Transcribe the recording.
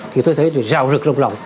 thì tôi thấy rào rực rộng rộng